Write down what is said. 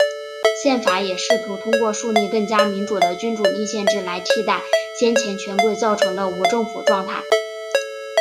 宪法也试图通过树立更加民主的君主立宪制来替代先前权贵造成的无政府状态。